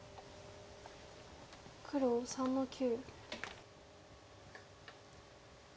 黒３の九。